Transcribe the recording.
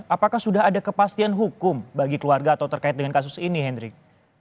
apakah sudah ada kepastian hukum bagi keluarga atau terkait dengan kasus ini hendrik